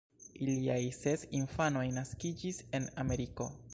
Iliaj ses infanoj naskiĝis en Ameriko.